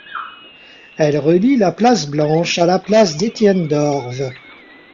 Elle relie la place Blanche à la place d'Estienne-d'Orves.